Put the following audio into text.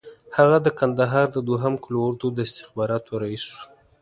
هغه د کندهار د دوهم قول اردو د استخباراتو رییس وو.